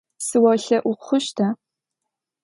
Сыолъэӏу хъущта?